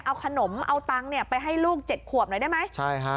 เอาขนมเอาตังค์ไปให้ลูก๗ขวบหน่อยได้ไหม